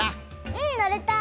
うんのれた！